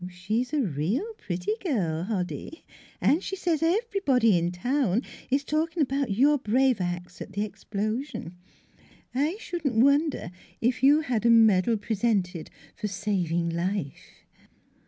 She's a real pretty girl, Hoddy; and she says everybody in town is talking about your brave acts at the explosion. I shouldn't wonder if you had a medal presented for saving life."